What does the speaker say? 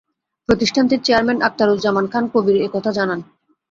প্রতিষ্ঠানটির chairman Akhtaruzzaman Khan Kabir এ কথা জানান।